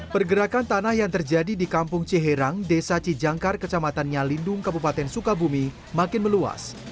pergerakan tanah yang terjadi di kampung ciherang desa cijangkar kecamatannyalindung kabupaten sukabumi makin meluas